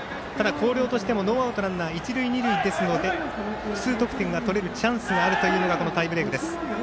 広陵としてもノーアウトランナー、一塁二塁なので複数得点が取れるチャンスがあるというのがタイブレークです。